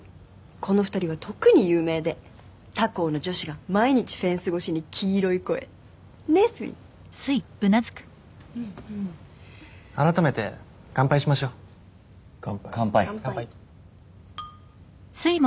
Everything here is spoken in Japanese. この２人は特に有名で他校の女子が毎日フェンス越しに黄色い声ねっすいうん改めて乾杯しましょう乾杯